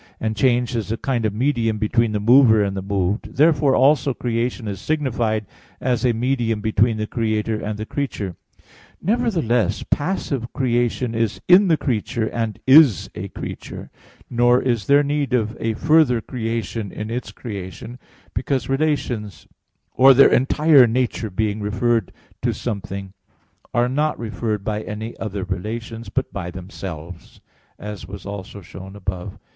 2, ad 2), and change is a kind of medium between the mover and the moved, therefore also creation is signified as a medium between the Creator and the creature. Nevertheless passive creation is in the creature, and is a creature. Nor is there need of a further creation in its creation; because relations, or their entire nature being referred to something, are not referred by any other relations, but by themselves; as was also shown above (Q.